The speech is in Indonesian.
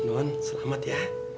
nuhun selamat ya